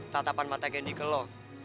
tatapan mata kendy ke lu